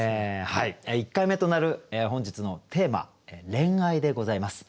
１回目となる本日のテーマ「恋愛」でございます。